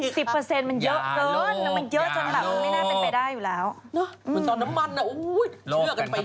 สวัสดีค่าข้าวใส่ไข่